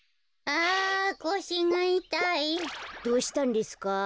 どうしたんですか？